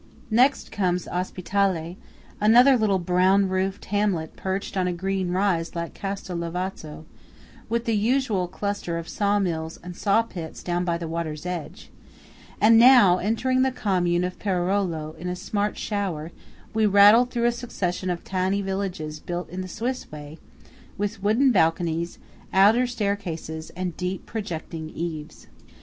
Next comes Ospitale, another little brown roofed hamlet perched on a green rise like Castel Lavazzo, with the usual cluster of saw mills and saw pits down by the water's edge; and now, entering the commune of Perarolo in a smart shower, we rattle through a succession of tiny villages built in the Swiss way, with wooden balconies, outer staircases, and deep projecting eaves.